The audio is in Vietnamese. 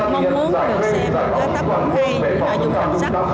mong muốn được xem các tác phẩm hay những nội dung đặc sắc